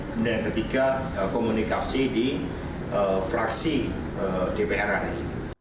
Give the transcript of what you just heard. kemudian yang ketiga komunikasi di fraksi dpr ri